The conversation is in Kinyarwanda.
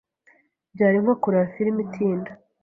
Byari nko kureba firime itinda.